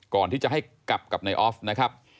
ก่อนที่จะให้กลับกับนายออฟนะครับ